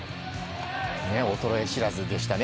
衰え知らずでしたね。